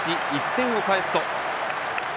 １点を返すと。